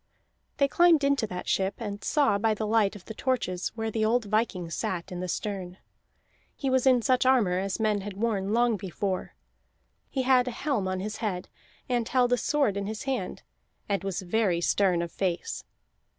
They climbed into that ship, and saw by the light of the torches where the old viking sat in the stern. He was in such armor as men had worn long before; he had a helm on his head, and held a sword in his hand, and was very stern of face.